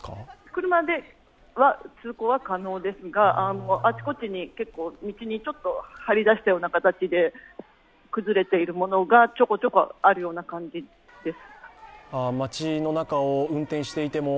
車では通行は可能ですが、あちこちに道にちょっと張りだしたような形で崩れているものがちょこちょこあるような感じです。